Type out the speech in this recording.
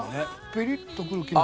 ピリッとくる気が。